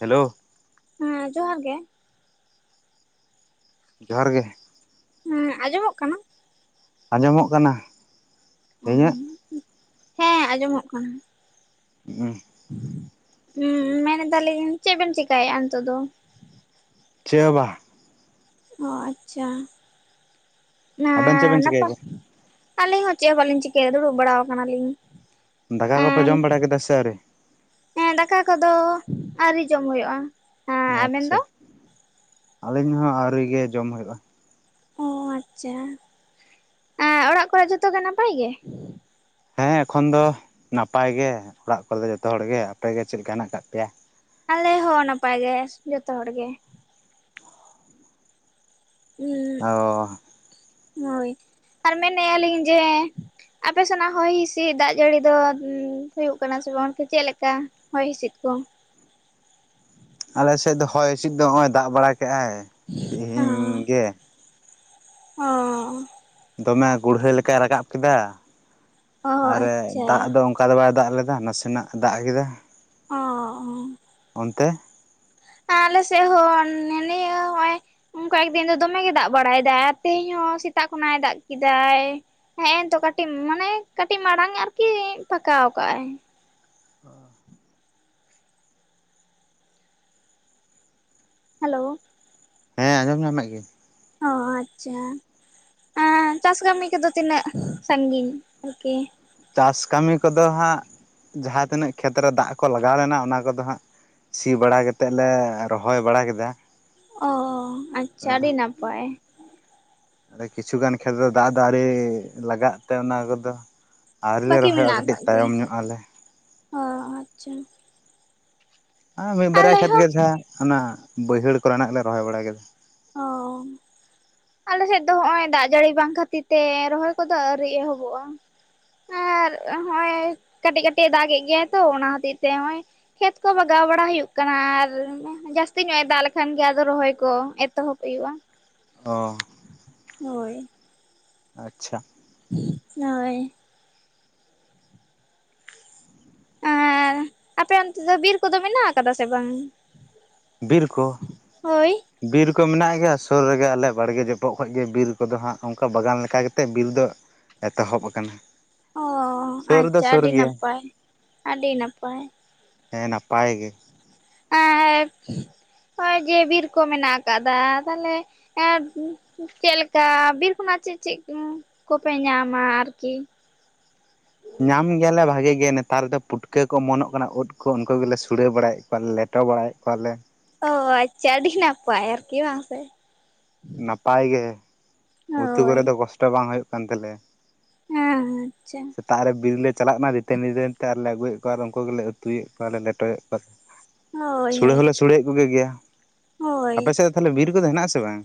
Hello. ᱦᱮᱸ ᱡᱚᱦᱟᱨ ᱜᱮ᱾ ᱡᱚᱦᱟᱨ ᱜᱮ᱾ ᱦᱮᱸ ᱟᱸᱡᱚᱢᱚᱜ ᱠᱟᱱᱟ? ᱟᱸᱡᱚᱢᱚᱜ ᱠᱟᱱᱟ᱾ ᱤᱧᱟᱹᱜ? [unintelligible] ᱦᱮᱸ ᱟᱸᱡᱚᱢᱚᱜ ᱠᱟᱱᱟ᱾ ᱦᱩᱸ᱾ ᱦᱩᱸ ᱢᱮᱱ ᱮᱫᱟᱞᱤᱧ ᱪᱮᱜ ᱵᱮᱱ ᱪᱮᱠᱟᱭᱮᱜ-ᱟ ᱱᱤᱛᱳᱜ ᱫᱚ? ᱪᱮᱜ‌ ᱦᱚ ᱵᱟᱷ᱾ ᱚ ᱟᱪᱪᱷᱟ ᱱᱟᱻ ᱟᱵᱮᱱ ᱪᱮᱫ ᱵᱮᱱ ᱱᱟᱯᱟ ᱪᱤᱠᱟᱹᱭᱮᱫᱟ? ᱟᱞᱤᱧ ᱦᱚᱸ ᱪᱮᱜ ᱦᱚᱸ ᱵᱟᱞᱤᱧ ᱪᱤᱠᱟᱹᱭᱫᱟ ᱫᱩᱲᱩᱵ ᱵᱟᱲᱟ ᱟᱠᱟᱱᱟᱞᱤᱧ᱾ ᱫᱟᱠᱟ ᱠᱚᱯᱮ ᱡᱚᱢ ᱵᱟᱲᱟ ᱠᱮᱫᱟ ᱥᱮ ᱟᱹᱣᱨᱤ? ᱮᱸᱜ ᱫᱟᱠᱟ ᱠᱚᱫᱚ ᱟᱹᱣᱨᱤ ᱡᱚᱢ ᱦᱩᱭᱩᱜ-ᱟ᱾ ᱟᱪᱪᱷᱟ ᱟᱞᱤᱧ ᱦᱚᱸ ᱟᱹᱣᱨᱤ ᱜᱮ ᱡᱚᱢ ᱦᱩᱭᱩᱜ-ᱟ᱾ ᱚ ᱟᱪᱪᱷᱟ ᱟᱸ ᱚᱲᱟᱜ ᱠᱚᱨᱮ ᱡᱚᱛᱚ ᱜᱮ ᱱᱟᱯᱟᱭ ᱜᱮ? ᱦᱮᱸ ᱮᱠᱷᱚᱱ ᱫᱚ ᱱᱟᱯᱟᱭ ᱜᱮ ᱚᱲᱟᱜ ᱠᱚᱨᱮ ᱫᱚ ᱡᱚᱛᱚ ᱦᱚᱲ ᱜᱮ, ᱟᱯᱮᱜᱮ ᱪᱮᱞᱠᱟ ᱦᱮᱱᱟᱜ ᱟᱠᱟᱫ ᱯᱮᱭᱟ? ᱟᱞᱮ ᱦᱚᱸ ᱱᱟᱯᱟᱭ ᱜᱮ, ᱡᱚᱛᱚ ᱦᱚᱲ ᱜᱮ᱾ ᱩᱸᱜ ᱚ ᱦᱳᱭ ᱟᱨ ᱢᱮᱱᱮᱜᱼᱟ ᱞᱤᱧ ᱡᱮ ᱟᱯᱮ ᱥᱮᱱᱟᱜ ᱦᱚᱭ ᱦᱤᱥᱤᱫ ᱫᱟᱜ ᱡᱟᱹᱲᱤ ᱫᱚ ᱦᱩᱭᱩᱜ ᱠᱟᱱᱟ ᱥᱮ ᱵᱟᱝ ᱪᱮᱫ ᱞᱮᱠᱟ? ᱦᱚᱭ ᱦᱤᱸᱥᱤᱫ ᱠᱚ? ᱟᱞᱮᱥᱮᱫ ᱫᱚ ᱦᱚᱭ ᱦᱤᱥᱤᱫ ᱫᱚ ᱦᱚᱜᱼᱚᱭ ᱫᱟᱜ ᱵᱟᱲᱟ ᱠᱮᱜᱼᱟᱭ ᱛᱮᱦᱮᱧ ᱜᱮ᱾ ᱚᱻ ᱫᱚᱢᱮ ᱜᱩᱲᱦᱟᱹᱭ ᱞᱮᱠᱟᱭ ᱨᱟᱠᱟᱵ ᱠᱮᱫᱟ ᱚ ᱟᱨᱮ ᱟᱪᱪᱷᱟ ᱫᱟᱜ ᱫᱚ ᱚ ᱠᱟ ᱫᱚ ᱵᱟᱭ ᱫᱟᱜ ᱞᱮᱫᱟ ᱱᱟᱥᱮᱱᱟᱜ ᱫᱟᱜ ᱠᱮᱫᱟ᱾ ᱚ, ᱚ ᱾ ᱚᱱᱛᱮ? ᱟᱞᱮ ᱥᱮᱫ ᱦᱚᱸ ᱱᱮ ᱱᱤᱭᱟᱹ ᱦᱚᱭ ᱩᱝ ᱠᱚᱭᱮᱠ ᱫᱤᱱ ᱫᱚ ᱫᱚᱢᱮ ᱜᱮ ᱫᱟᱜ ᱵᱟᱲᱟᱭᱮᱫᱟᱭ ᱟᱨ ᱛᱮᱦᱮᱧ ᱦᱚᱸ ᱥᱮᱛᱟᱜ ᱠᱷᱚᱱᱟᱜ ᱮ ᱫᱟᱜ ᱠᱤᱫᱟᱭ᱾ ᱦᱮᱸ ᱮᱱ ᱛᱚ ᱠᱟᱹᱴᱤᱡ ᱢᱟᱱᱮ ᱠᱟᱹᱴᱤᱡ ᱢᱟᱲᱟᱝ ᱟᱨᱠᱤ ᱯᱷᱟᱠᱟᱣ ᱠᱟᱜᱼᱟᱭ᱾ ᱦᱮᱞᱳ! ᱦᱮᱸ ᱟᱸᱡᱚᱢ ᱧᱟᱢᱮᱜ ᱜᱤᱭᱟᱹᱧ᱾ ᱚ ᱟᱪᱪᱷᱟ᱾ ᱮᱸ ᱪᱟᱥ ᱠᱟᱹᱢᱤ ᱠᱚᱫᱚ ᱛᱤᱱᱟᱹᱜ ᱥᱟᱺᱜᱤᱧ ᱟᱨᱠᱤ? ᱪᱟᱥ ᱠᱟᱢᱤ ᱠᱚᱫᱚ ᱦᱟᱜ ᱡᱟᱦᱟᱸ ᱛᱤᱱᱟᱹᱜ ᱠᱷᱮᱛᱨᱮ ᱫᱟᱜ ᱠᱚ ᱞᱟᱜᱟᱣ ᱞᱮᱱᱟ ᱚᱱᱟ ᱠᱚᱫᱚ ᱦᱟᱸᱜ ᱥᱤ ᱵᱟᱲᱟ ᱠᱟᱛᱮᱫ ᱞᱮ ᱨᱚᱦᱚᱭ ᱵᱟᱲᱟ ᱠᱮᱫᱟ᱾ ᱚ ᱟᱪᱪᱷᱟ ᱟᱹᱰᱤ ᱱᱟᱯᱟᱭ᱾ ᱟᱨ ᱠᱤᱪᱷᱩᱩᱜᱟᱱ ᱠᱷᱮᱛ ᱫᱚ ᱫᱟᱜ ᱫᱚ ᱟᱣᱨᱤ ᱞᱟᱜᱟᱜ ᱛᱮ ᱚᱱᱟ ᱠᱚᱫᱚ ᱟᱹᱣᱨᱤ ᱞᱮ ᱵᱟᱹᱠᱤ ᱨᱚᱦᱚᱭᱚᱜᱼᱟ ᱢᱮᱱᱟᱜ ᱠᱟᱹᱴᱤᱡ ᱟᱠᱟᱫ ᱜᱮᱭᱟ ᱛᱟᱭᱚᱢ ᱧᱚᱜ ᱟᱞᱮ᱾ ᱚ ᱟᱪᱪᱷᱟ᱾ ᱟ ᱢᱤᱜ ᱵᱟᱨᱭᱟ ᱟᱞᱮ ᱠᱷᱮᱛ ᱦᱚᱸ ᱜᱮ ᱡᱟᱦᱟ ᱚᱱᱟ ᱵᱟᱹᱭᱦᱟᱹᱲ ᱠᱚᱨᱮᱱᱟᱜ ᱜᱮᱞᱮ ᱨᱚᱦᱚᱭ ᱵᱟᱲᱟ ᱠᱮᱫᱟ᱾ ᱚ᱾ ᱟᱞᱮᱥᱮᱫ ᱫᱚ ᱦᱚᱜᱼᱚᱭ ᱫᱟᱜ ᱡᱟᱲᱤ ᱵᱟᱝ ᱠᱷᱟᱹᱛᱤᱨ ᱛᱮ ᱨᱚᱦᱚᱭ ᱠᱚᱫᱚ ᱟᱹᱣᱨᱤ ᱮᱦᱚᱵᱚᱜᱼᱟ᱾ ᱟᱨ ᱦᱚᱜᱼᱚᱭ ᱠᱟᱹᱴᱤᱡ ᱠᱟᱹᱴᱤᱡ ᱮ ᱫᱟᱜᱮᱫ ᱜᱮᱭᱟᱭ ᱛᱚ ᱚᱱᱟ ᱦᱚᱛᱤᱡ ᱛᱮ ᱦᱚᱜᱼᱚᱭ ᱠᱷᱮᱛ ᱠᱚ ᱵᱟᱜᱟᱣ ᱵᱟᱲᱟ ᱦᱩᱭᱩᱜ ᱠᱟᱱᱟ, ᱟᱨ ᱡᱟᱹᱥᱛᱤ ᱧᱚᱜ ᱮ ᱫᱟᱜ ᱞᱮᱠᱷᱟᱱ ᱜᱮ ᱨᱚᱦᱚᱭ ᱠᱚ ᱮ ᱛᱚᱦᱚᱵ ᱦᱩᱭᱩᱜᱼᱟ᱾ ᱚ᱾ ᱦᱳᱭ᱾ ᱟᱪᱪᱷᱟ᱾ [inaudible] ᱱᱳᱭ᱾ ᱟᱨ ᱟᱯᱮ ᱚᱱᱛᱮ ᱫᱚ ᱵᱤᱨ ᱠᱚ ᱫᱚ ᱢᱮᱱᱟᱜ ᱟᱠᱟᱫᱟ ᱥᱮ ᱵᱟᱝ? ᱵᱤᱨ ᱠᱚ? ᱦᱳᱭ ᱵᱤᱨ ᱠᱚ ᱢᱮᱱᱟᱜ ᱜᱮᱭᱟ ᱥᱳᱨ ᱨᱮ ᱜᱮ ᱟᱞᱮ ᱵᱟᱲᱜᱮ ᱡᱚᱯᱚᱜ ᱠᱷᱚᱡ ᱜᱮ ᱵᱤᱨ ᱠᱚ ᱫᱚ ᱦᱟᱸᱜ ᱚᱝᱠᱟ ᱵᱟᱜᱟᱱ ᱞᱮᱠᱟ ᱠᱮᱛᱮᱜ ᱵᱤᱨ ᱫᱚ ᱮᱛᱚᱦᱚᱵ ᱟᱠᱟᱱᱟ᱾ ᱚ ᱥᱩᱨ ᱫᱚ ᱟᱪᱪᱷᱟ ᱥᱩᱨ ᱟᱰᱤ ᱜᱮᱭᱟ ᱱᱟᱯᱟᱭ ᱟᱰᱤ ᱱᱟᱯᱟᱭ᱾ ᱦᱮᱸ ᱱᱟᱯᱟᱭ ᱜᱮ᱾ ᱮᱸᱠ ᱦᱚᱜᱼᱚᱭ ᱡᱮ ᱵᱤᱨ ᱠᱚ ᱢᱮᱱᱟᱜ ᱟᱠᱟᱜᱫᱟ ᱛᱟᱦᱚᱞᱮ ᱮᱸ ᱪᱮᱜ ᱞᱮᱠᱟ ᱵᱤᱨ ᱠᱷᱚᱱᱟᱜ ᱪᱮᱫ ᱪᱮᱫ ᱠᱚ ᱯᱮ ᱧᱟᱢᱟ ᱟᱨᱠᱤ? ᱧᱟᱸᱢ ᱜᱮᱭᱟᱞᱮ ᱵᱷᱟᱜᱮ ᱜᱮ ᱱᱮᱛᱟᱨ ᱫᱚ ᱯᱩᱴᱠᱟᱹ ᱠᱚ ᱚᱢᱚᱱᱚᱜ ᱠᱟᱱᱟ ᱳᱫ ᱠᱚ ᱳᱱᱠᱳ ᱜᱮᱞᱮ ᱥᱩᱲᱟᱹ ᱵᱟᱲᱟᱭᱮᱜ ᱠᱚᱣᱟ ᱞᱮᱴᱚ ᱵᱟᱲᱟᱭᱮᱜ ᱠᱚᱣᱟᱞᱮ᱾ ᱚᱸ ᱟᱪᱪᱷᱟ ᱟᱹᱰᱤ ᱱᱟᱯᱟᱭ ᱟᱨᱠᱤ ᱵᱟᱝ ᱥᱮ? ᱱᱟᱯᱟᱭ ᱜᱮ, ᱩᱛᱩ ᱦᱳᱭ ᱠᱚᱨᱮ ᱫᱚ ᱠᱚᱥᱴᱚ ᱵᱟᱝ ᱦᱳᱭᱳᱜ ᱠᱟᱱ ᱛᱟᱞᱮᱭᱟ᱾ ᱦᱮᱸ ᱟᱪᱪᱷᱟ᱾ ᱥᱮᱛᱟᱜ ᱨᱮ ᱵᱤᱨ ᱞᱮ ᱪᱟᱞᱟᱜ ᱢᱟ ᱫᱤᱛᱟᱹᱱᱤ ᱫᱤᱛᱟᱹᱱᱤ ᱛᱮ ᱟᱨ ᱞᱮ ᱟᱹᱜᱩᱭᱮᱫ ᱠᱚᱣᱟ ᱟᱨ ᱩᱝᱠᱩ ᱜᱮᱞᱮ ᱩᱛᱩ ᱭᱮᱫ ᱠᱚᱣᱟᱞᱮ ᱞᱮᱴᱚᱭᱮᱜ ᱠᱚᱣᱟ ᱞᱮ᱾ ᱦᱳᱭ ᱥᱳᱲᱮ ᱦᱳᱭ ᱦᱚᱸ ᱞᱮ ᱥᱳᱲᱮ ᱭᱮᱫ ᱠᱚ ᱜᱮ ᱜᱮᱭᱟ ᱦᱳᱭ ᱟᱯᱮ ᱥᱮᱫ ᱫᱚ ᱛᱟᱞᱦᱮ ᱵᱤᱨ ᱠᱚ ᱫᱚ ᱦᱮᱱᱟᱜ-ᱟ ᱥᱮ ᱵᱟᱝ?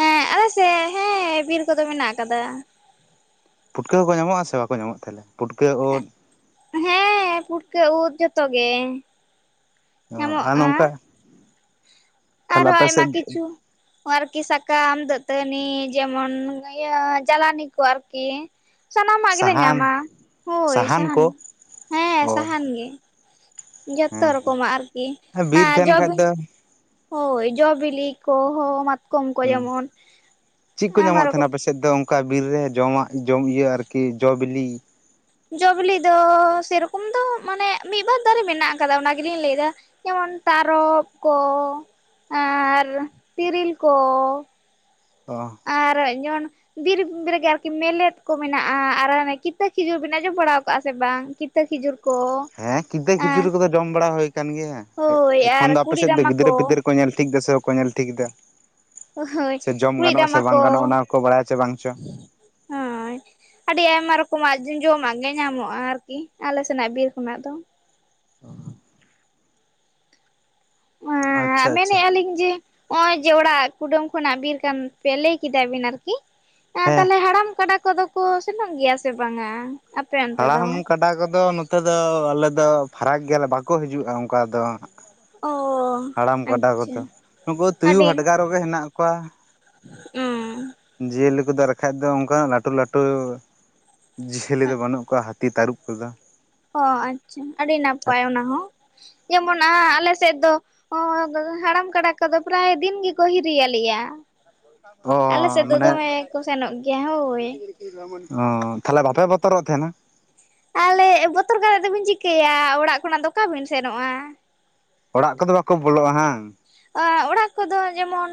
ᱦᱮᱸ ᱟᱞ ᱥᱮᱜ ᱦᱮᱸ ᱵᱤᱨ ᱠᱚ ᱫᱚ ᱢᱮᱱᱟᱜ ᱟᱠᱟᱫᱟ᱾ ᱯᱷᱩᱴᱠᱟᱹ ᱦᱚᱸ ᱠᱚ ᱧᱟᱢᱚᱜ-ᱟ ᱥᱮ ᱵᱟᱠᱚ ᱧᱟᱢᱚᱜ ᱛᱟᱦᱮᱱᱟ ᱯᱩᱴᱠᱟᱹ ᱳᱸᱫ? ᱦᱮᱸ ᱯᱷᱩᱴᱠᱟᱹ ᱩᱫ ᱡᱚᱛᱚ ᱜᱮ᱾ ᱚᱸ ᱧᱟᱢᱚᱜᱼᱟ᱾ ᱱᱚᱝᱠᱟ ᱛᱟᱦᱚᱞᱮ ᱟᱨᱦᱚᱸ ᱟᱯᱮ ᱟᱭᱢᱟ ᱥᱮᱫ ᱠᱤᱪᱷᱩ ᱚ ᱟᱨᱠᱤ ᱥᱟᱠᱟᱢ ᱫᱟᱹᱛᱟᱹᱱᱤ ᱡᱮᱢᱚᱱ ᱤᱭᱟᱹ ᱡᱟᱞᱟᱱᱤ ᱠᱚ ᱟᱨᱠᱤ᱾ ᱥᱟᱱᱟᱢᱟᱜ ᱜᱮ ᱞᱮ ᱥᱟᱦᱟᱱ ᱧᱟᱢᱟ ᱦᱳᱭ ᱥᱟᱦᱟᱱ ᱦᱮᱸ ᱚ ᱥᱟᱦᱟᱱ ᱜᱮ᱾ ᱡᱚᱛᱛᱚ ᱦᱮᱸ ᱨᱚᱠᱚ ᱢᱟᱸᱜ ᱟᱨᱠᱤ ᱵᱤᱨ ᱟᱸ ᱛᱟᱦᱮᱱ ᱡᱚ ᱠᱷᱟᱡ ᱵᱤ ᱫᱚ ᱦᱳᱭ ᱡᱚ-ᱵᱤᱞᱤ ᱠᱚ ᱦᱚᱸ ᱢᱟᱛᱠᱚᱢ ᱠᱚ ᱦᱩᱸ ᱡᱮᱢᱚᱱ ᱪᱮᱫ ᱠᱚ ᱟᱭᱢᱟ ᱧᱟᱢᱚᱜ ᱨᱚ ᱛᱟᱦᱮᱱᱟ ᱫᱚ ᱚᱝᱠᱟ ᱵᱤᱨ ᱨᱮ ᱡᱚᱢᱟᱜ ᱡᱚᱢ ᱤᱭᱟᱹ ᱟᱨᱠᱤ ᱡᱚ-ᱵᱤᱞᱤ ᱡᱚ-ᱵᱤᱞᱤ ᱫᱚ ᱥᱮᱨᱚᱠᱚᱢ ᱫᱚ ᱢᱟᱱᱮ ᱢᱤᱜ-ᱵᱟᱨ ᱫᱟᱨᱮ ᱢᱮᱱᱟᱜ ᱟᱠᱟᱫᱟ ᱚᱱᱟ ᱜᱮᱞᱤᱧ ᱞᱟᱹᱭᱫᱟ᱾ ᱡᱮᱢᱚᱱ ᱛᱟᱨᱚᱵ ᱠᱚ ᱟᱨ ᱛᱤᱨᱤᱞ ᱠᱚ ᱚᱸ᱾ ᱟᱨ ᱡᱮᱢᱚᱱ ᱵᱤᱨ ᱨᱮ ᱜᱮ ᱟᱨᱠᱤ ᱢᱮᱞᱮᱫ ᱠᱚ ᱢᱮᱱᱟᱜ-ᱟ᱾ ᱟᱨ ᱦᱟᱱᱮ ᱠᱤᱛᱟᱹ ᱠᱷᱤᱡᱩᱨ ᱵᱤᱱ ᱟᱸᱡᱚᱢ ᱵᱟᱲᱟᱣ ᱠᱟᱜ-ᱟ ᱥᱮ ᱵᱟᱝ? ᱠᱤᱛ ᱠᱤᱛᱟᱹ ᱠᱷᱤᱡᱩᱨ ᱠᱚ ᱦᱮᱸ ᱠᱤᱫᱟᱹ ᱮᱸ ᱠᱷᱤᱡᱩᱨᱤ ᱠᱚᱫᱚ ᱡᱚᱢ ᱵᱟᱲᱟ ᱦᱳᱭ ᱠᱟᱱ ᱜᱮᱭᱟ ᱮ ᱦᱳᱭ ᱮᱠᱷᱚᱱ ᱟᱨ ᱫᱚ ᱟᱯᱮ ᱠᱩᱲᱤᱫ ᱥᱮᱫ ᱫᱚ ᱨᱟᱢᱟ ᱜᱤᱫᱽᱨᱟᱹ-ᱯᱤᱫᱟᱹᱨ ᱠᱚ ᱧᱮᱞ ᱴᱷᱤᱠ ᱫᱟ ᱥᱮ ᱵᱟᱠᱚ ᱧᱮᱞ ᱴᱷᱤᱠ ᱫᱟ? ᱦᱳᱭ ᱥᱮ ᱡᱚᱢ ᱠᱩᱲᱤᱫ ᱜᱟᱱᱚᱜ-ᱟ ᱥᱮ ᱨᱟᱢᱟ ᱵᱟᱝ ᱜᱟᱱᱚᱜ-ᱟ ᱚᱱᱟ ᱦᱚᱸ ᱠᱚ ᱵᱟᱲᱟᱭ ᱪᱚ ᱵᱟᱝ ᱪᱚ? ᱦᱚᱸᱭ᱾ ᱟᱹᱰᱤ ᱟᱭᱢᱟ ᱨᱚᱠᱚᱢᱟᱜ ᱡᱚᱢᱟᱜ ᱜᱮ ᱧᱟᱢᱚᱜ-ᱟ ᱟᱨᱠᱤ ᱟᱞᱮ ᱥᱮᱱᱟᱜ ᱵᱤᱨ ᱠᱷᱚᱱᱟᱜ ᱫᱚ᱾ [inaudible] ᱟᱻ ᱟᱪᱪᱷᱟ ᱟᱪᱪᱷᱟ ᱢᱮᱱᱮᱜ-ᱟ ᱟᱹᱞᱤᱧ ᱡᱮ ᱦᱚᱜ-ᱚᱭ ᱡᱮ ᱚᱲᱟᱜ ᱠᱩᱰᱟᱹᱢ ᱠᱷᱚᱱᱟᱜ ᱵᱤᱨ ᱠᱟᱱ ᱯᱮᱭᱟ ᱞᱟᱹᱭ ᱠᱮᱫᱟ ᱵᱤᱱ ᱟᱨᱠᱤ ᱟᱸ ᱦᱮᱸ ᱛᱟᱦᱞᱮ ᱦᱟᱲᱟᱢ ᱠᱟᱰᱟ ᱠᱚ ᱫᱚ ᱠᱚ ᱥᱮᱱᱚᱜ ᱜᱮᱭᱟ ᱥᱮ ᱵᱟᱝᱟ? ᱟᱯᱮ ᱚᱱᱛᱮ ᱫᱚ? ᱦᱟᱲᱟᱢ ᱠᱟᱰᱟ ᱠᱚ ᱫᱚ ᱱᱚᱛᱮ ᱫᱚ ᱟᱞᱮ ᱫᱚ ᱯᱷᱟᱨᱟᱠ ᱜᱮᱭᱟᱞᱮ ᱵᱟᱠᱚ ᱦᱤᱡᱩᱜ-ᱟ ᱚᱝᱠᱟ ᱫᱚ᱾ ᱚ ᱦᱟᱲᱟᱢ ᱠᱟᱰᱟ ᱠᱚ ᱟᱪᱪᱷᱟ ᱫᱚ ᱱᱩᱠᱩ ᱛᱩᱭᱩ ᱦᱟᱰᱜᱟᱨ ᱠᱚ ᱜᱮ ᱦᱮᱱᱟᱜ ᱠᱚᱣᱟ᱾ ᱚᱸ᱾ ᱡᱤᱭᱟᱹᱞᱤ ᱠᱚ ᱫᱚ ᱟᱨ ᱠᱷᱟᱡ ᱫᱚ ᱚᱱᱠᱟᱱᱟᱜ ᱞᱟᱹᱴᱩ ᱞᱟᱹᱴᱩ ᱡᱤᱭᱟᱹᱞᱤ ᱫᱚ ᱵᱟᱹᱱᱩᱜ ᱠᱚᱣᱟ ᱦᱟ ᱛᱤ ᱛᱟᱹᱨᱩᱵ ᱠᱚᱫᱚ᱾ ᱚ ᱟᱪᱪᱷᱟ ᱟᱹᱰᱤ ᱱᱟᱯᱟᱭ ᱚᱱᱟ ᱦᱚᱸ ᱡᱮᱢᱚᱱ ᱟᱻ ᱟᱞᱮ ᱥᱮᱜ ᱫᱚ ᱚ ᱦᱟᱲᱟᱢ ᱠᱟᱰᱟ ᱠᱚᱫᱚ ᱯᱮᱨᱟᱭ ᱫᱤᱱ ᱜᱮᱠᱚ ᱦᱤᱨᱤᱭ ᱟᱞᱮᱭᱟ᱾ ᱚ ᱟᱞᱮ ᱥᱮᱫ ᱫᱚ ᱢᱟᱱᱮ ᱫᱚᱢᱮ ᱠᱚ ᱥᱮᱱᱚᱜ ᱜᱮᱭᱟ ᱦᱳᱭ᱾ ᱚ ᱛᱟᱦᱞᱮ ᱵᱟᱯᱮ ᱵᱚᱛᱚᱨᱚᱜ ᱛᱟᱦᱮᱱᱟ? ᱟᱞᱮ ᱵᱚᱛᱚᱨ ᱠᱟᱛᱜ ᱫᱚᱵᱤᱱ ᱪᱤᱠᱟᱹᱭᱟ ᱚᱲᱟᱜ ᱠᱷᱚᱱᱟᱜ ᱫᱚ ᱚᱠᱟ ᱵᱤᱱ ᱥᱮᱱᱚᱜᱼᱟ? ᱚᱲᱟᱜ ᱠᱚᱫᱚ ᱵᱟᱠᱚ ᱵᱚᱞᱚᱜᱼᱟ ᱦᱟᱝ। ᱚᱲᱟᱜ ᱠᱚᱫᱚ ᱡᱮᱢᱚᱱ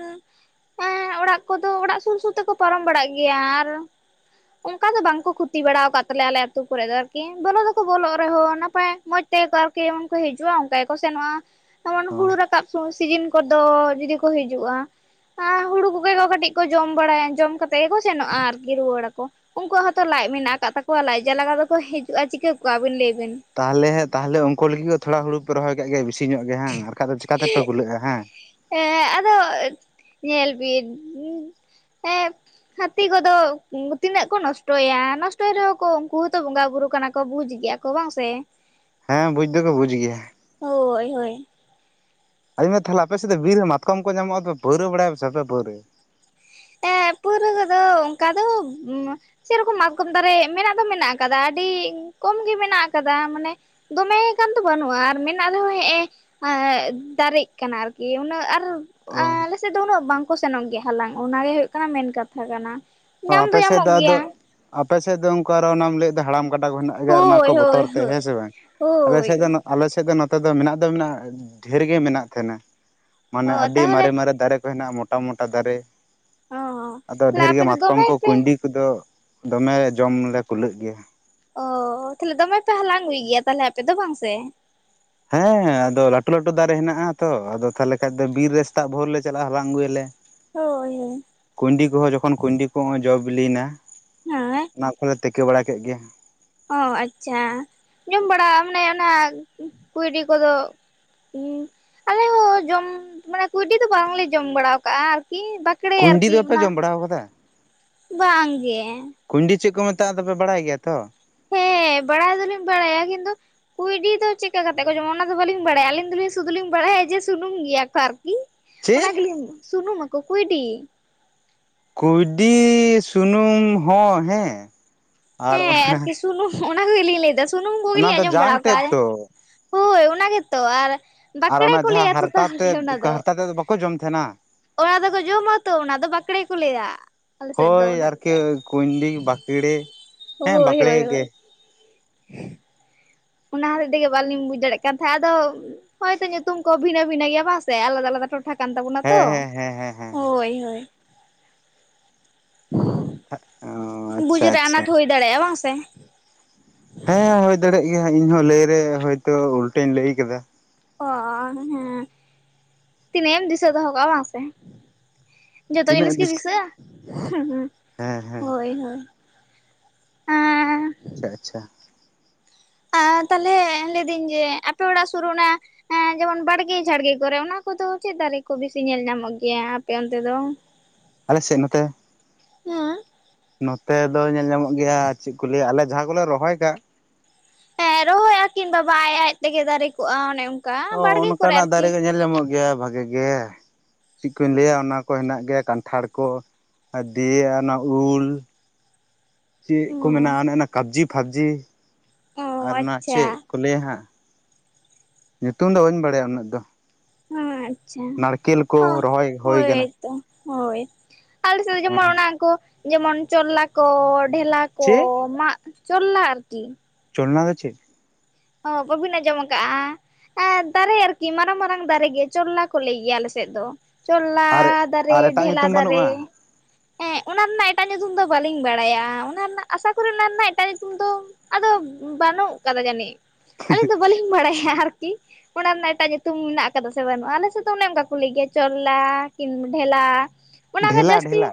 ᱦᱮᱸ ᱚᱲᱟᱜ ᱠᱚᱫᱚ ᱚᱲᱟᱜ ᱥᱩᱨ ᱥᱩᱨ ᱛᱮᱠᱚ ᱯᱟᱨᱚᱢ ᱵᱟᱲᱟᱜ ᱜᱮᱭᱟ ᱟᱨ ᱚᱱᱠᱟ ᱫᱚ ᱵᱟᱝᱠᱚ ᱠᱷᱩᱛᱤ ᱵᱟᱲᱟ ᱟᱠᱟᱫ ᱛᱟᱞᱮᱭᱟ ᱟᱞᱮ ᱟᱹᱛᱩ ᱠᱚᱨᱮ ᱫᱚ ᱟᱨᱠᱤ ᱵᱚᱞᱚ ᱫᱚᱠᱚ ᱵᱚᱞᱚᱜ ᱨᱮᱦᱚᱸ ᱱᱟᱯᱟᱭ ᱢᱚᱸᱡᱽ ᱛᱮ ᱟᱨᱠᱤ ᱡᱮᱢᱚᱱ ᱠᱚ ᱦᱤᱡᱩᱜᱼᱟ ᱚᱱᱠᱟ ᱜᱮᱠᱚ ᱥᱮᱱᱚᱜᱼᱟ᱾ ᱡᱮᱚᱱ ᱚ ᱦᱩᱲᱩ ᱨᱟᱠᱟᱵ ᱥᱤᱡᱤᱱ ᱠᱚᱫᱚ ᱡᱩᱫᱤ ᱠᱚ ᱦᱤᱡᱩᱜᱼᱟ ᱟ ᱦᱩᱲᱩ ᱠᱚᱜᱮ ᱠᱚ ᱠᱟᱹᱴᱤᱡ ᱠᱚ ᱡᱚᱢ ᱵᱟᱲᱟᱭᱟ ᱡᱚᱢ ᱠᱟᱛᱮ ᱜᱮᱠᱚ ᱥᱮᱱᱚᱜᱼᱟ ᱟᱨᱠᱤ ᱨᱩᱣᱟᱹᱲᱟᱠᱚ। ᱩᱱᱠᱩᱣᱟᱜ ᱦᱚᱸᱛᱚ ᱞᱟᱡ ᱢᱮᱱᱟᱜ ᱟᱠᱟᱫ ᱛᱟᱠᱚᱣᱟ ᱞᱟᱡ ᱡᱟᱞᱟ ᱫᱚᱠᱚ ᱦᱤᱡᱩᱜᱼᱟ ᱪᱤᱠᱟᱹ ᱠᱚᱜᱣᱟ ᱟᱹᱵᱤᱱ ᱞᱟᱹᱭ ᱵᱤᱱ? ᱛᱟᱦᱚᱞᱮ ᱛᱟᱦᱚᱞᱮ ᱩᱱᱠᱩ ᱞᱟᱹᱜᱤᱫ ᱦᱚᱸ ᱛᱷᱚᱲᱟ ᱦᱩᱲᱩ ᱯᱮ ᱨᱚᱦᱚᱭ ᱠᱟᱜ ᱜᱮᱭᱟ ᱾ ᱵᱤᱥᱤ ᱧᱚᱜ ᱜᱮ ᱦᱟᱜ ᱟᱨᱠᱷᱟᱡ ᱫᱚ ᱪᱤᱠᱟᱛᱮᱯᱮ ᱠᱩᱞᱟᱹᱜᱼᱟ ᱦᱮᱸ। ᱦᱮᱸ ᱟᱫᱚ ᱧᱮᱞ ᱵᱤᱱ ᱮᱸ ᱦᱟᱹᱛᱤ ᱠᱚᱫᱚ ᱛᱤᱱᱟᱹᱜ ᱠᱚ ᱱᱚᱥᱴᱚᱭᱟ? ᱱᱚᱥᱴᱚᱭ ᱨᱮᱦᱚᱸ ᱠᱚ ᱩᱱᱠᱩ ᱦᱚᱸᱛᱚ ᱵᱚᱸᱜᱟ ᱵᱩᱨᱩ ᱠᱟᱱᱟ ᱠᱚ ᱵᱩᱡᱽ ᱜᱮᱭᱟ ᱠᱚ। ᱠᱚ ᱵᱟᱝ ᱥᱮ? ᱦᱮᱸ ᱵᱩᱡᱽ ᱫᱚᱠᱚ ᱵᱩᱡᱽ ᱜᱮᱭᱟ। ᱦᱳᱭ ᱦᱳᱭ। ᱟᱫᱚᱧ ᱢᱮᱱ ᱫᱟ ᱛᱟᱦᱚᱞᱮ ᱟᱯᱮ ᱥᱮᱫ ᱫᱚ ᱵᱤᱨ ᱨᱮ ᱢᱟᱛᱠᱚᱢ ᱠᱚ ᱧᱟᱢᱚᱜᱼᱟ ᱾ ᱯᱟᱣᱨᱟᱹ ᱵᱟᱲᱟᱭ ᱯᱮ ᱥᱮ ᱵᱟᱯᱮ ᱯᱟᱹᱣᱨᱟᱭᱟ? ᱦᱮᱸ ᱯᱟᱹᱣᱨᱟᱹ ᱠᱚᱫᱚ ᱚᱱᱠᱟ ᱫᱚ ᱥᱮᱨᱚᱠᱚᱢ ᱢᱟᱛᱠᱚᱢ ᱫᱟᱨᱮᱹ ᱢᱮᱱᱟᱜ ᱫᱚ ᱢᱮᱱᱟᱜ ᱟᱠᱟᱫᱟ, ᱟᱹᱰᱤᱻ ᱠᱚᱢ ᱜᱮ ᱢᱮᱱᱟᱜ ᱟᱠᱟᱫᱟ ᱾ ᱢᱟᱱᱮ ᱫᱚᱢᱮ ᱜᱟᱱ ᱫᱚ ᱵᱟᱹᱱᱩᱜᱼᱟ, ᱟᱨ ᱢᱮᱱᱟᱜ ᱨᱮᱦᱚᱸ ᱦᱮᱸ ᱮ ᱮᱸ ᱫᱟᱨᱮᱜ ᱠᱟᱱᱟ ᱟᱨᱠᱤ ᱩᱱᱟᱹᱜ ᱟᱨ ᱚ ᱟᱞᱮ ᱥᱮᱫ ᱫᱚ ᱩᱱᱟᱹᱜ ᱵᱟᱝᱠᱚ ᱥᱮᱱᱚᱜ ᱜᱮᱭᱟ ᱾ᱦᱟᱞᱟᱝ ᱚᱱᱟᱜᱮ ᱦᱩᱭᱩᱜ ᱠᱟᱱᱟ ᱢᱮᱱ ᱠᱟᱛᱷᱟ ᱠᱟᱱᱟ। ᱚ ᱧᱟᱢ ᱟᱯᱮ ᱥᱮᱫ ᱧᱟᱢᱚᱜ ᱫᱚ ᱟᱫᱚ, ᱜᱮᱭᱟ ᱟᱯᱮᱥᱮᱫ ᱫᱚ ᱚᱱᱠᱟ ᱟᱨᱚᱢ ᱞᱟᱹᱭᱮᱫ ᱫᱚ ᱦᱟᱲᱟᱢ ᱠᱟᱰᱟ ᱠᱚ ᱨᱮᱱᱟᱜ ᱟᱨ ᱚᱱᱟ ᱦᱳᱭ ᱠᱚ ᱦᱳᱭ ᱵᱚᱛᱚᱨ ᱛᱮ ᱦᱳᱭ ᱦᱮᱸ ᱥᱮ ᱵᱟᱝ ᱟᱞᱮ ᱦᱳᱭ ᱥᱮᱫ ᱫᱚ ᱟᱞᱮ ᱥᱮᱫ ᱫᱚ ᱱᱚᱛᱮ ᱫᱚ ᱢᱮᱱᱟᱜ ᱫᱚ ᱢᱮᱱᱟᱜ ᱰᱷᱮᱨ ᱜᱮ ᱢᱮᱱᱟᱜ ᱛᱟᱦᱮᱱᱟ। ᱚ ᱢᱟᱱᱮ ᱟᱹᱰᱤ ᱛᱟᱦᱚᱞᱮ ᱢᱟᱨᱮ ᱢᱟᱨᱮ ᱫᱟᱨᱮᱹ ᱠᱚ ᱦᱮᱱᱟᱜᱼᱟ ᱾ ᱢᱚᱴᱟ ᱢᱚᱴᱟ ᱫᱟᱨᱮᱹ ᱚ ᱟᱫᱚ ᱛᱟᱦᱞᱮ ᱰᱷᱮᱨ ᱟᱯᱮ ᱜᱮ ᱫᱚ ᱢᱟᱛ ᱫᱚᱢᱮ ᱯᱮ ᱛᱤᱠᱤ ᱠᱚᱫᱚ ᱫᱚᱢᱮ ᱡᱚᱢ ᱞᱮ ᱠᱩᱞᱟᱹᱜ ᱜᱮᱭᱟ। ᱚᱻ ᱛᱟᱦᱚᱞᱮ ᱫᱚᱢᱮ ᱯᱮ ᱦᱟᱞᱟᱝ ᱟᱹᱜᱩᱭ ᱜᱮᱭᱟ ᱛᱟᱦᱚᱞᱮ ᱟᱯᱮ ᱫᱚ ᱵᱟᱝ ᱥᱮ? ᱦᱮᱸ ᱟᱫᱚ ᱞᱟᱹᱴᱩ ᱞᱟᱹᱴᱩ ᱫᱟᱨᱮᱹ ᱦᱮᱱᱟᱜᱼ ᱟ ᱛᱚ ᱾ ᱟᱫᱚ ᱛᱟᱦᱚᱞᱮ ᱠᱷᱟᱱ ᱫᱚ ᱵᱤᱨ ᱨᱮ ᱥᱮᱛᱟᱜ ᱵᱷᱳᱨ ᱞᱮ ᱪᱟᱞᱟᱜᱼᱟ ᱾ ᱦᱟᱞᱟᱝ ᱟᱹᱜᱩᱭᱟᱞᱮ। ᱦᱳᱭ ᱼᱼ ᱠᱩᱸᱭᱰᱤ ᱠᱚᱦᱚᱸ ᱡᱚᱠᱷᱚᱱ ᱠᱩᱸᱭᱰᱤ ᱠᱚ ᱡᱚ ᱵᱤᱞᱤᱭᱮᱱᱟ, ᱦᱮᱸ ᱚᱱᱟ ᱠᱚᱞᱮ ᱛᱤᱠᱤ ᱵᱟᱲᱟ ᱠᱮᱫ ᱜᱮ। ᱚ ᱟᱪᱪᱷᱟ ᱡᱚᱢ ᱵᱟᱲᱟ ᱢᱟᱱᱮ ᱚᱱᱟ ᱠᱩᱭᱰᱤ ᱠᱚᱫᱚ ᱟᱞᱮ ᱦᱚᱸ ᱡᱚᱢ ᱢᱟᱱᱮ ᱠᱩᱭᱰᱤ ᱫᱚ ᱵᱟᱝᱞᱮ ᱡᱚᱢ ᱵᱟᱲᱟ ᱠᱟᱜᱼᱟ ᱟᱨᱠᱤ ᱾ ᱵᱟᱠ ᱵᱟᱠᱲᱮ ᱠᱩᱸᱭᱰᱤ ᱟᱨᱠᱤ ᱫᱚᱯᱮ ᱚᱱᱟ, ᱡᱚᱢ ᱵᱟᱲᱟᱣ ᱠᱟᱫᱟ ᱵᱟᱝᱻᱜᱮ। ᱠᱩᱭᱰᱤ ᱪᱮᱫ ᱠᱚ ᱢᱮᱛᱟᱜᱼᱟ ᱟᱫᱚᱯᱮ ᱵᱟᱲᱟᱭ ᱜᱮᱭᱟ ᱛᱚ? ᱦᱮᱸ ᱵᱟᱲᱟᱭ ᱫᱚᱞᱤᱧ ᱵᱟᱲᱟᱭᱼᱟ ᱾ ᱠᱤᱱᱛᱩ ᱠᱩᱭᱰᱤ ᱫᱚ ᱪᱮᱫᱠᱟ ᱠᱟᱛᱮ ᱠᱚ ᱡᱚᱢᱟ, ᱚᱱᱟ ᱫᱚ ᱵᱟᱹᱞᱤᱧ ᱵᱟᱲᱟᱭᱟ ᱾ ᱟᱹᱞᱤᱧ ᱫᱚᱞᱤᱧ ᱥᱩᱫᱩᱞᱤᱧ ᱵᱟᱲᱟᱭᱟ ᱡᱮ ᱥᱩᱱᱩᱢ ᱜᱮᱭᱟ ᱠᱚ ᱟᱨᱠᱤ। ᱪᱮᱫ ᱚᱱᱟ ᱜᱮᱞᱤᱧ ᱥᱩᱱᱩᱢ ᱟᱠᱚ ᱠᱩᱭᱰᱤ? ᱠᱩᱭᱰᱤ ᱥᱩᱱᱩᱢ ᱦᱚᱸ ᱦᱮᱸ ᱟᱨ ᱦᱮᱸ ᱚᱱᱟ ᱟᱨᱠᱤ ᱥᱩᱱᱩᱢ ᱚᱱᱟ ᱠᱚᱜᱮᱞᱤᱧ ᱞᱟᱹᱭᱮᱫᱟ ᱾ ᱥᱩᱱᱩᱢ ᱚᱱᱟ ᱠᱚᱜᱮᱞᱤᱧ ᱫᱚ ᱟᱸᱡᱚᱢ ᱵᱟᱲᱟ ᱡᱟᱝ ᱛᱮᱫ ᱟᱠᱟᱫᱼᱟ ᱛᱚ ᱾ ᱦᱳᱭ ᱚᱱᱟ ᱜᱮᱛᱚ ᱟᱨ ᱟᱨ ᱵᱟᱠᱲᱮ ᱚᱱᱟ ᱠᱚ ᱞᱟᱹᱭᱟ ᱡᱟᱦᱟᱸ ᱛᱚ ᱦᱟᱨᱛᱟ ᱛᱟᱦᱚᱞᱮ ᱛᱮᱫ, ᱚᱱᱟ ᱦᱟᱨᱛᱟ ᱛᱮᱫ ᱫᱚ ᱵᱟᱠᱚ ᱡᱚᱢ ᱛᱟᱦᱮᱱᱟ? ᱚᱱᱟ ᱫᱚᱠᱚ ᱡᱚᱢᱟ ᱛᱚ ᱚᱱᱟ ᱫᱚ, ᱵᱟᱠᱲᱮ ᱠᱚ ᱞᱟᱹᱭᱼᱟ। ᱦᱳᱭ ᱟᱨᱠᱤ ᱠᱩᱭᱰᱤ ᱵᱟᱠᱲᱮ ᱦᱮᱸ ᱦᱳᱭ ᱵᱟᱠᱲᱮ ᱦᱳᱭ ᱜᱮ ᱦᱳᱭ। ᱚᱱᱟ ᱦᱚᱛᱮᱫ ᱛᱮᱜᱮ ᱵᱟᱹᱞᱤᱧ ᱵᱩᱡ ᱫᱟᱲᱮᱭᱟᱜ ᱠᱟᱱ ᱛᱟᱦᱮᱸᱫ ᱾ ᱟᱫᱚ ᱦᱳᱭ ᱛᱚ ᱧᱩᱛᱩᱢ ᱠᱚ ᱵᱷᱤᱱᱟᱹ ᱵᱷᱤᱱᱟᱹ ᱜᱮᱭᱟ ᱵᱟᱝ ᱥᱮ ᱟᱞᱟᱫᱟ ᱟᱞᱟᱫᱟ? ᱠᱟᱛᱷᱟ ᱠᱟᱱ ᱛᱟᱵᱚᱱᱟ ᱛᱚ, ᱦᱮᱸ ᱦᱮᱸ ᱦᱮᱸ ᱦᱮᱸ ᱦᱮᱸ ᱦᱳᱭ ᱦᱳᱭ ᱾ ᱚ ᱟᱪᱪᱷᱟ ᱵᱩᱡᱽᱨᱮ ᱟᱪᱪᱷᱟ ᱟᱱᱟᱴ ᱦᱩᱭ ᱫᱟᱲᱮᱜ-ᱟ, ᱵᱟᱝ ᱥᱮ? ᱦᱮᱸ ᱦᱳᱭ ᱫᱟᱲᱮᱭᱟᱜ ᱜᱮᱭᱟ ᱤᱧᱦᱚ ᱞᱟᱹᱭ ᱨᱮ ᱦᱳᱭᱛᱚ ᱩᱞᱴᱟᱹᱧ ᱞᱟᱹᱭ ᱟᱠᱟᱫᱟ ᱾ ᱚ ᱦᱮᱸ ᱛᱤᱱᱟᱹᱜ ᱮᱢ ᱫᱤᱥᱟᱹ ᱫᱚᱦᱚ ᱠᱟᱜ-ᱟ ᱵᱟᱝ ᱥᱮ? ᱡᱷᱚᱛᱚ ᱛᱤᱱᱟᱹᱜ ᱡᱤᱱᱤᱥ ᱠᱤ ᱫᱤᱥ ᱫᱤᱥᱟᱹᱜ-ᱟ? ᱦᱚᱸ ᱦᱮᱸ ᱦᱮᱸ ᱦᱳᱭ ᱦᱳᱭ ᱾ ᱟᱪᱪᱷᱟ ᱟᱪᱪᱷᱟ ᱾ ᱟᱨ ᱛᱟᱦᱚᱞᱮ ᱞᱟᱹᱭ ᱫᱟᱹᱧ ᱟᱹᱯᱮ ᱚᱲᱟᱜ ᱥᱳᱨ ᱚᱱᱟ ᱦᱮᱸ ᱡᱮᱢᱚᱱ ᱵᱟᱲᱜᱮ ᱡᱷᱟᱲᱜᱮ ᱠᱚᱨᱮ, ᱚᱱᱟ ᱠᱚᱫᱚ ᱪᱮᱫ ᱫᱟᱨᱮᱹ ᱠᱚ ᱵᱤᱥᱤ ᱧᱮᱞ ᱧᱟᱢᱚᱜ ᱜᱮᱭᱟ, ᱟᱯᱮ ᱚᱱᱛᱮ ᱫᱚ? [unintelligible] ᱼᱼ ᱟᱞᱮᱥᱮᱫ ᱱᱚᱛᱮ? ᱦᱩᱸ ᱾ ᱱᱚᱛᱮ ᱫᱚ ᱧᱮᱞ ᱧᱟᱢᱚᱜ ᱜᱮᱭᱟ ᱪᱮᱜ ᱠᱩ ᱞᱟᱹᱭᱟ ᱟᱞᱮ ᱡᱟᱦᱟᱸ ᱠᱚᱞᱮ ᱨᱚᱦᱚᱭ ᱠᱟᱜ ᱦᱮᱸ ᱨᱚᱦᱚᱭ ᱟᱹᱠᱤᱱ ᱵᱟ ᱵᱟ ᱟᱡ ᱟᱡ ᱛᱮᱜᱮ ᱫᱟᱨᱮ ᱠᱚᱜ-ᱟ ᱚᱱᱮ ᱚᱱᱠᱟ ᱚ ᱵᱟᱲᱜᱮ ᱠᱚᱨᱮ ᱚᱱᱠᱟᱱᱟᱜ ᱟᱨᱠᱤ ᱫᱟᱨᱮ ᱫᱚ ᱧᱮᱞ ᱧᱟᱢᱚᱜ ᱜᱮᱭᱟ ᱵᱷᱟᱜᱮ ᱜᱮ ᱾ ᱪᱮᱫ ᱠᱚᱧ ᱞᱟᱹᱭᱟ ᱚᱱᱟ ᱠᱚ ᱦᱮᱱᱟᱜ ᱜᱮᱭᱟ ᱠᱟᱱᱴᱷᱟᱲ ᱠᱚ ᱫᱤᱭᱮᱭᱟ ᱚᱱᱟ ᱩᱞ [inaudible] ᱪᱮᱫ ᱠᱚ ᱦᱩᱸ ᱢᱮᱱᱟᱜ-ᱟ᱾ ᱚᱱᱮ ᱚᱱᱟ ᱠᱟᱵᱽᱡᱤ ᱯᱷᱟᱵᱽᱡᱤ ᱚ ᱟᱨ ᱚᱱᱟ ᱟᱪᱪᱷᱟ ᱪᱮᱫ ᱠᱚ ᱞᱟᱹᱭᱟ ᱦᱟᱸᱜ ᱧᱩᱛᱩᱢ ᱫᱚ ᱵᱟᱹᱧ ᱵᱟᱲᱟᱭᱟ ᱩᱱᱟᱹᱜ ᱫᱚ ᱾ ᱟᱪᱪᱷᱟ ᱠᱚ ᱚᱸ ᱨᱚᱦᱚᱭ ᱦᱩᱭ ᱚᱭ ᱠᱟᱱᱟ ᱦᱳᱭ ᱟᱞᱮ ᱥᱮᱫ ᱫᱚ ᱦᱮᱸ ᱡᱮᱢᱚᱱ ᱚᱱᱟ ᱠᱚ ᱡᱮᱢᱚᱱ ᱪᱚᱞᱞᱟ ᱠᱚ ᱰᱷᱮᱞᱟ ᱠᱚ ᱪᱮᱫ ᱢᱟᱜ ᱪᱚᱞᱞᱟ ᱟᱨᱠᱤ ᱾ ᱪᱚᱞᱱᱟ ᱫᱚ ᱪᱮᱫ? ᱚᱸ ᱵᱟᱹᱵᱤᱱ ᱟᱸᱡᱚᱢ ᱠᱟᱫ-ᱟ ᱾ ᱮ ᱫᱟᱨᱮ ᱟᱨᱠᱤ ᱢᱟᱨᱟᱝ ᱢᱟᱨᱟᱝ ᱫᱟᱨᱮ ᱜᱮ ᱪᱚᱞᱞᱟ ᱠᱚ ᱞᱟᱹᱭ ᱜᱮᱭᱟ ᱟᱞᱮᱥᱮᱫ ᱫᱚ ᱾ ᱪᱚᱞᱞᱞᱟ ᱟᱨ ᱫᱟᱨᱮ ᱟᱨ ᱮᱴᱟᱜ ᱰᱷᱮᱞᱟ ᱧᱩᱛᱩᱢ ᱫᱟᱨᱮ ᱵᱟᱹᱱᱩᱜᱼᱟ [unintelligible] ᱚᱱᱟ ᱨᱮᱱᱟᱜ ᱮᱴᱟᱜ ᱧᱩᱛᱩᱢ ᱫᱚ ᱵᱟᱹᱞᱤᱧ ᱵᱟᱲᱟᱭᱟ ᱚᱱᱟ ᱨᱮᱱᱟᱜ ᱟᱥᱟ ᱠᱚᱨᱤ ᱚᱱᱟ ᱨᱮᱱᱟᱜ ᱮᱴᱟᱜ ᱧᱩᱛᱩᱢ ᱫᱚ ᱟᱫᱚ ᱵᱟᱹᱱᱩᱜ ᱠᱟᱫᱟ ᱡᱟᱹᱱᱤᱡ ᱟᱹᱞᱤᱧ ᱫᱚ ᱵᱟᱹᱞᱤᱧ ᱵᱟᱲᱟᱭᱟ ᱟᱨᱠᱤ ᱾ ᱚᱱᱟ ᱨᱮᱱᱟᱜ ᱮᱴᱟᱜ ᱧᱩᱛᱩᱢ ᱢᱮᱱᱟᱜ ᱠᱟᱫᱟ ᱥᱮ ᱵᱟᱹᱱᱩᱜ-ᱟ᱾ ᱟᱞᱮ ᱥᱮᱫ ᱫᱚ ᱚᱱᱮ ᱚᱱᱠᱟ ᱠᱚ ᱞᱟᱹᱭ ᱜᱮᱭᱟ ᱪᱚᱞᱞᱟ ᱠᱤᱢ ᱰᱷᱮᱞᱟ ᱾ ᱚᱱᱟᱛᱮ ᱰᱷᱮᱞᱟ ᱡᱟᱹᱥᱛᱤ ᱰᱷᱮᱞᱟ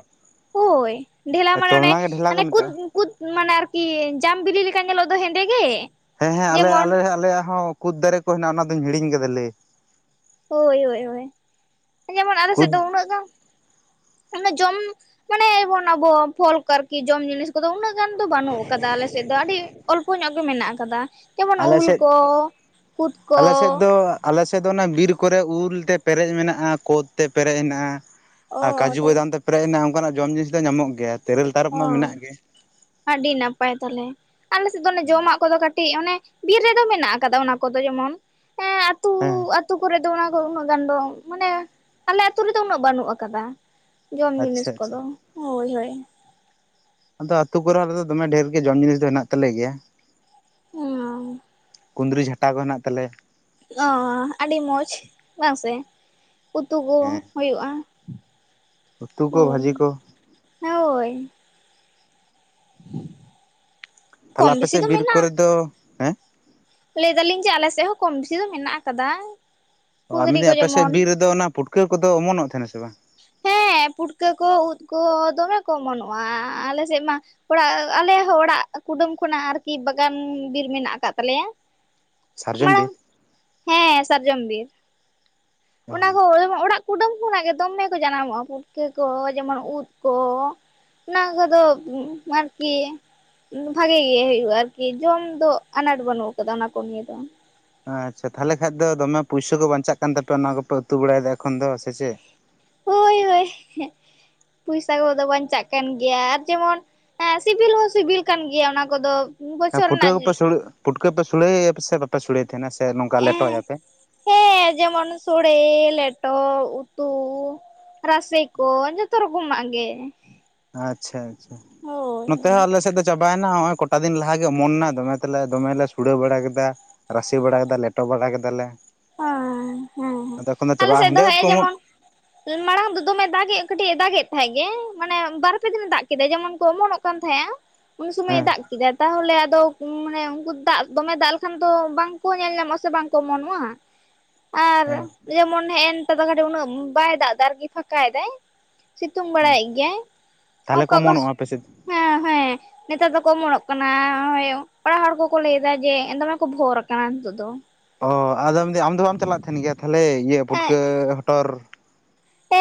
ᱦᱳᱭ ᱰᱷᱮᱞᱟ ᱢᱟᱱᱮ ᱚᱱᱮ ᱪᱚᱞᱱᱟ ᱜᱮ ᱰᱷᱮᱞᱟ ᱠᱚ ᱚᱱᱮ ᱠᱩᱫ ᱢᱮᱛᱟᱜᱼᱟ ᱠᱩᱫ ᱢᱟᱱᱮ ᱟᱨᱠᱤ ᱡᱟᱢ ᱵᱤᱞᱤ ᱞᱮᱠᱟ ᱧᱮᱞᱚᱜ ᱫᱚ ᱦᱮᱸᱫᱮ ᱜᱮ ᱾ ᱦᱮᱸ ᱦᱮᱸ ᱟᱞᱮ ᱟᱞᱮ ᱟᱞᱮᱭᱟᱜ ᱦᱚᱸ ᱠᱩᱫ ᱫᱟᱨᱮ ᱠᱚ ᱦᱮᱱᱟᱜ-ᱟ᱾ ᱚᱱᱟ ᱫᱚᱧ ᱦᱤᱲᱤᱧ ᱠᱟᱫᱟ ᱞᱮ ᱦᱳᱭ ᱦᱳᱭ ᱦᱳᱭ ᱡᱮᱢᱚᱱ ᱟᱞᱮ ᱥᱮᱫ ᱠᱩᱫ ᱫᱚ ᱩᱱᱟᱹᱜ ᱜᱟᱱ ᱚᱱᱮ ᱡᱚᱢ ᱢᱟᱱᱮ ᱵᱚᱱ ᱟᱵᱚ ᱯᱷᱚᱞ ᱠᱚ ᱟᱨᱠᱤ ᱡᱚᱢ ᱡᱤᱱᱤᱥ ᱠᱚᱫᱚ ᱩᱱᱟᱹᱜ ᱜᱟᱱ ᱫᱚ ᱵᱟᱹᱱᱩᱜ ᱠᱟᱫᱟ ᱟᱞᱮ ᱥᱮᱫ ᱫᱚ ᱟᱹᱰᱤ ᱚᱞᱯᱚ ᱧᱚᱜ ᱜᱮ ᱢᱮᱱᱟᱜ ᱠᱟᱫᱟ ᱾ ᱡᱮᱢᱚᱱ ᱟᱞᱮ ᱩᱞ ᱥᱮᱫ ᱠᱚ ᱠᱩᱸᱫᱽ ᱠᱚ ᱾ ᱟᱞᱮᱥᱮᱫ ᱫᱚ ᱚᱱᱟ ᱵᱤᱨ ᱠᱚᱨᱮ ᱩᱞᱛᱮ ᱯᱮᱨᱮᱡ ᱢᱮᱱᱟᱜ-ᱟ᱾ ᱠᱳᱛ ᱛᱮ ᱯᱮᱨᱮᱡ ᱦᱮᱱᱟᱜ-ᱟ ᱾ ᱚ ᱟᱨ ᱠᱟᱡᱩ ᱛᱟᱦᱞᱮ ᱵᱚᱭᱫᱟᱢ ᱛᱮ ᱯᱮᱨᱮᱡ ᱮᱱᱟ ᱟ ᱚᱱᱠᱟᱱᱟᱜ ᱡᱚᱢ ᱡᱤᱱᱤᱥ ᱫᱚ ᱧᱟᱢᱚᱜ ᱜᱮᱭᱟ ᱾ ᱚ ᱟᱹᱰᱤ ᱱᱟᱯᱟᱭ ᱛᱟᱦᱟᱞᱮ ᱟᱞᱮᱥᱮᱫ ᱫᱚ ᱚᱱᱮ ᱦᱮᱸ ᱡᱚᱢᱟᱜ ᱠᱚᱫᱚ ᱠᱟᱹᱴᱤᱡ ᱚᱱᱮ ᱵᱤᱨ ᱨᱮᱫᱚ ᱢᱮᱱᱟᱜ ᱠᱟᱫᱟ ᱚᱱᱟ ᱠᱚᱫᱚ ᱡᱮᱢᱚᱱ ᱮᱸ ᱟᱹᱛᱩ ᱟᱹᱛᱩ ᱠᱚᱨᱮᱫ ᱚᱱᱟ ᱠᱚ ᱩᱱᱟᱹᱜ ᱜᱟᱱ ᱫᱚ ᱢᱟᱱᱮ ᱟᱞᱮ ᱟᱹᱛᱩ ᱨᱮᱫᱚ ᱩᱱᱟᱹᱜ ᱵᱟᱹᱱᱩᱜ ᱟᱠᱟᱫᱟ ᱾ ᱡᱚᱢ ᱡᱤᱱᱤᱥ ᱟᱪᱪᱷᱟ ᱟᱪᱪᱷᱟ ᱠᱚᱫᱚ ᱦᱳᱭ ᱦᱳᱭ ᱾ ᱟᱫᱚ ᱟᱹᱛᱩ ᱠᱚᱨᱮ ᱨᱮᱫᱚ ᱫᱚᱢᱮ ᱰᱷᱮᱨ ᱜᱮ ᱡᱚᱢ ᱡᱤᱱᱤᱥ ᱫᱚ ᱦᱮᱱᱟᱜ ᱛᱟᱞᱮ ᱜᱮᱭᱟ ᱾ ᱚᱸ ᱾ ᱠᱩᱸᱫᱽᱨᱤ ᱡᱷᱟᱴᱟ ᱠᱚ ᱦᱮᱱᱟᱜ ᱛᱟᱞᱮ ᱾ ᱚ ᱟᱹᱰᱤ ᱢᱚᱸᱡᱽ ᱵᱟᱝᱥᱮ ᱩᱛᱩ ᱠᱚ ᱦᱮᱸ ᱦᱳᱭᱳᱜ-ᱟ ᱾ ᱩᱛᱩ ᱠᱚ ᱵᱷᱟᱹᱡᱤ ᱠᱚ ᱾ ᱦᱳᱭ ᱾ ᱛᱟᱦᱚᱞᱮ ᱠᱚᱢ ᱵᱮᱥᱤ ᱟᱯᱮᱥᱮᱫ ᱫᱚ ᱵᱤᱨ ᱠᱚᱨᱮ ᱢᱮᱱᱟᱜᱼᱟ ᱫᱚ ᱦᱮᱸ ᱞᱟᱹᱭ ᱫᱟᱞᱤᱧ ᱡᱮ ᱟᱞᱮ ᱥᱮᱫ ᱦᱚᱸ ᱠᱚᱢ ᱵᱮᱥᱤ ᱫᱚ ᱢᱮᱱᱟᱜ ᱟᱠᱟᱫᱟ᱾ ᱚ ᱠᱩᱸᱫᱽᱨᱤ ᱠᱚ ᱢᱮᱱᱫᱟᱹᱧ ᱟᱯᱮ ᱡᱮᱢᱚᱱ ᱥᱮᱫ ᱵᱤᱨ ᱨᱮᱫᱚ ᱚᱱᱟ ᱯᱩᱴᱠᱟᱹ ᱠᱚᱫᱚ ᱚᱢᱚᱱᱚᱜ ᱛᱟᱦᱮᱱᱟ ᱥᱮ ᱵᱟᱝ? ᱦᱮᱸ ᱯᱩᱴᱠᱟᱹ ᱠᱚ ᱩᱫ ᱠᱚ ᱫᱚᱢᱮ ᱠᱚ ᱚᱢᱚᱱᱚᱜᱼᱟ᱾ ᱟᱞᱮ ᱥᱮᱫ ᱢᱟ ᱚᱲᱟᱜ ᱟᱞᱮᱦᱚᱸ ᱚᱲᱟᱜ ᱠᱩᱰᱟᱹᱢ ᱠᱷᱚᱱᱟᱜ ᱟᱨᱠᱤ ᱵᱟᱜᱟᱱ ᱵᱤᱨ ᱢᱮᱱᱟᱜ ᱟᱠᱟᱫ ᱛᱟᱞᱮᱭᱟ ᱾ ᱥᱟᱨᱡᱚᱢ ᱵᱤᱨ? ᱦᱮᱸ ᱥᱟᱨᱡᱚᱢ ᱵᱤᱨ, ᱚ ᱚᱱᱟ ᱠᱚ ᱚᱲᱟᱜ ᱠᱩᱰᱟᱹᱢ ᱠᱚᱱᱟᱜ ᱜᱮ ᱫᱚᱢᱮ ᱠᱚ ᱡᱟᱱᱟᱢᱚᱜᱼᱟ ᱯᱩᱴᱠᱟᱹ ᱠᱚ ᱡᱮᱢᱚᱱ ᱩᱫ ᱠᱚ ᱾ ᱚᱱᱟ ᱠᱚᱫᱚ ᱟᱨᱠᱤ ᱾ ᱵᱷᱟᱜᱮ ᱜᱮ ᱦᱳᱭᱳᱜᱼᱟ ᱟᱨᱠᱤ ᱡᱚᱢ ᱫᱚ ᱟᱱᱟᱴ ᱵᱟᱹᱱᱩᱜ ᱟᱠᱟᱫᱟ ᱚᱱᱟ ᱠᱚ ᱱᱤᱭᱮ ᱫᱚ ᱾ ᱟᱪᱪᱷᱟ ᱛᱟᱦᱚᱞᱮ ᱠᱷᱟᱱᱡ ᱫᱚ ᱫᱚᱢᱮ ᱯᱩᱭᱥᱟᱹ ᱠᱚ ᱵᱟᱧᱪᱟᱜ ᱠᱟᱱ ᱛᱟᱯᱮᱭᱟ ᱚᱱᱟ ᱠᱚᱯᱮ ᱩᱛᱩ ᱵᱟᱲᱟᱭᱮᱫᱟ ᱮᱠᱷᱚᱱ ᱫᱚ ᱥᱮ ᱪᱮᱫ? ᱦᱳᱭ ᱦᱳᱭ ᱯᱚᱭᱥᱟ ᱠᱚᱫᱚ ᱵᱟᱧᱪᱟᱜ ᱠᱟᱱ ᱜᱮᱭᱟ ᱟᱨ ᱡᱮᱢᱚᱱ ᱦᱮᱸ ᱥᱤᱵᱤᱞ ᱦᱚᱸ ᱥᱤᱵᱤᱞ ᱠᱟᱱ ᱜᱮᱭᱟ ᱚᱱᱟ ᱠᱚᱫᱚ ᱦᱮᱸ ᱵᱚᱪᱷᱚᱨ ᱨᱮᱱᱟᱜ ᱯᱷᱩᱴᱠᱟᱹᱯᱮ ᱯᱷᱩᱴᱠᱟᱹ ᱯᱮ ᱥᱚᱲᱮᱟᱭ ᱥᱮ ᱵᱟᱯᱮ ᱥᱚᱲᱮᱟᱭ ᱛᱟᱦᱮᱱᱟ ᱥᱮ ᱱᱚᱝᱠᱟ ᱮᱸ ᱞᱮᱴᱚᱭᱟᱯᱮ? ᱦᱮᱸ ᱡᱮᱢᱚᱱ ᱥᱳᱲᱮ ᱞᱮᱴᱚ ᱩᱛᱩ ᱾ ᱨᱟᱥᱮ ᱠᱚ ᱡᱚᱛᱚ ᱨᱚᱠᱚᱢᱟᱜ ᱜᱮ ᱾ ᱟᱪᱪᱷᱟ ᱟᱪᱪᱷᱟ ᱱᱚᱛᱮ ᱦᱳᱭ ᱦᱚᱸ ᱟᱞᱮ ᱥᱮᱫ ᱫᱚ ᱪᱟᱵᱟᱭᱮᱱᱟ ᱱᱚᱜ ᱚᱭ ᱠᱚᱴᱟ ᱫᱤᱱ ᱞᱟᱦᱟᱜᱮ ᱚᱢᱚᱱᱱᱟ ᱫᱚᱢᱮ ᱛᱮᱞᱮ ᱫᱚᱢᱮᱞᱮ ᱥᱳᱲᱮᱹ ᱵᱟᱲᱟ ᱠᱮᱫᱟ ᱾ ᱨᱟᱥᱮ ᱵᱟᱲᱟ ᱠᱮᱫᱟᱞᱮ ᱞᱮᱴᱚ ᱵᱟᱲᱟ ᱠᱮᱫᱟᱞᱮ ᱾ [inaudible] ᱦᱮᱸ ᱦᱮᱸ ᱟᱞᱮ ᱥᱮᱫ ᱫᱚ ᱦᱮᱸᱫᱮ ᱩᱫ ᱦᱮᱜᱮ ᱠᱚ ᱚᱢᱚᱱ ᱡᱮᱢᱚᱱ ᱢᱟᱲᱟᱝ ᱫᱚᱢᱮ ᱫᱟᱜ ᱮ ᱠᱟᱹᱴᱤᱡ ᱫᱟᱜᱮᱫ ᱛᱟᱦᱮᱸᱜ ᱜᱮ ᱢᱟᱱᱮ ᱵᱟᱨ ᱯᱮ ᱫᱤᱱ ᱫᱟᱜ ᱠᱮᱫᱟᱭ ᱡᱮᱢᱚᱱ ᱠᱚ ᱚᱢᱚᱱᱚᱜ [inaudible] ᱩᱱ ᱥᱚᱢᱚᱭ ᱮ ᱦᱮᱸ ᱫᱟᱜ ᱠᱮᱫᱟ ᱛᱟᱦᱚᱞᱮ ᱟᱫᱚ ᱢᱟᱱᱮ ᱩᱱᱠᱩ ᱫᱟᱜ ᱫᱚᱢᱮ ᱫᱟᱜ ᱞᱮᱠᱷᱟᱱ ᱫᱚ ᱵᱟᱝᱠᱚ ᱧᱮᱞ ᱧᱟᱢᱚᱜᱼᱟ ᱥᱮ ᱵᱟᱝᱠᱚ ᱚᱢᱚᱱᱚᱜᱼᱟ ᱾ ᱦᱮᱸ ᱾ ᱡᱮᱢᱚᱱ ᱦᱮᱜᱮ ᱱᱮᱛᱟᱫᱚ ᱠᱟᱹᱴᱤᱡ ᱩᱱᱟᱹᱜ ᱵᱟᱭ ᱫᱟᱜ ᱮᱫᱟ ᱟᱨᱠᱤ ᱯᱷᱟᱸᱠᱟᱭ ᱫᱟᱭ ᱾ ᱥᱤᱛᱩᱝ ᱵᱟᱲᱟᱭᱮᱫ ᱜᱮᱭᱟᱭ ᱛᱟᱦᱚᱞᱮ ᱚᱠᱟ ᱠᱚ ᱚᱠᱟ ᱚᱢᱚᱱᱚᱜᱼᱟ ᱟᱯᱮᱥᱮᱫ? ᱦᱮᱸ ᱦᱮᱸ ᱾ ᱱᱮᱛᱟᱨ ᱫᱚᱠᱚ ᱚᱢᱚᱱᱚᱜ ᱠᱟᱱᱟᱭ ᱚᱲᱟᱜ ᱦᱚᱲ ᱠᱚᱠᱚ ᱞᱟᱹᱭ ᱮᱫᱟ ᱡᱮ ᱫᱚᱢᱮ ᱠᱚ ᱵᱷᱳᱨ ᱟᱠᱟᱱᱟ ᱱᱤᱛᱚᱜ ᱫᱚ ᱾ ᱚ ᱟᱫᱚ ᱢᱮᱱᱫᱟᱧ ᱟᱢ ᱫᱚ ᱵᱟᱢ ᱪᱟᱞᱟᱜ ᱠᱟᱱ ᱜᱮᱭᱟ ᱛᱟᱦᱚᱞᱮ ᱤᱭᱟᱹ ᱮᱸ ᱯᱩᱴᱠᱟᱹ ᱦᱚᱴᱚᱨ? ᱮ